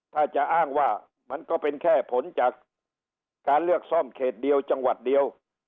ถ้าจะอ้างว่ามันก็เป็นแค่ผลจากการเลือกซ่อมเขตเดียวจังหวัดเดียว